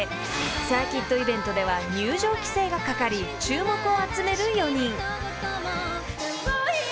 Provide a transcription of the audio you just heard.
［サーキットイベントでは入場規制がかかり注目を集める４人］